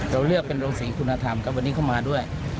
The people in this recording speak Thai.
เราเลือกเป็นโรงศรีคุณธรรมครับวันนี้เข้ามาด้วย